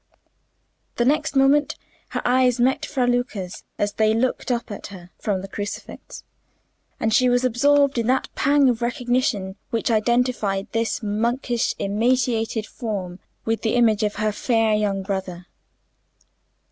The next moment her eyes met Fra Luca's as they looked up at her from the crucifix, and she was absorbed in that pang of recognition which identified this monkish emaciated form with the image of her fair young brother.